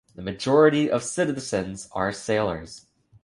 The majority of the citizens are sailors.